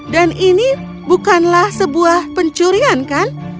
dan ini bukanlah sebuah pencurian kan